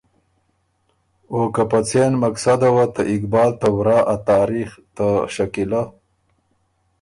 او که په څېن مقصده وه ته اقبال ته ورا ا تاریخ ته شکیلۀ